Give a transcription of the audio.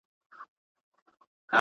ښځه او خاوند د ژوند ملګري دي.